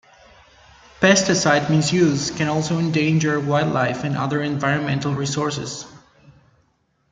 Pesticide misuse can also endanger wildlife and other environmental resources.